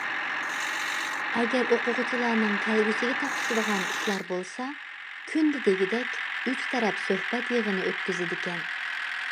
ئەگەر ئوقۇغۇچىلارنىڭ كەلگۈسىگە تاقىشىدىغان ئىشلار بولسا، كۈندە دېگۈدەك« ئۈچ تەرەپ سۆھبەت يىغىنى» ئۆتكۈزىدىكەن.